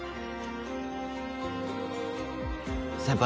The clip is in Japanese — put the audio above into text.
先輩。